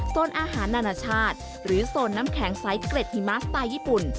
โซนอาหารนานาชาติหรือโซนน้ำแข็งไซส์เกร็ดหิมะสไตล์ญี่ปุ่น